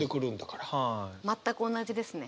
全く同じですね。